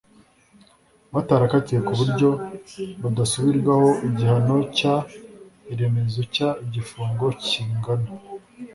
Batarakatiwe ku buryo budasubirwaho igihano cy iremezo cy igifungo kingana